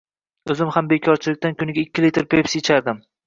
O‘zim ham bekorchilikdan kuniga ikki litr Pepsi ichardim.